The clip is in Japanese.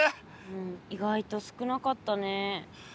うん意外と少なかったね。